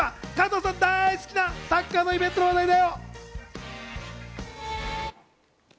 続いては加藤さん、大好きなサッカーのイベントの話題だよ！